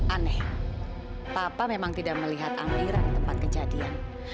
aneh papa memang tidak melihat aliran tempat kejadian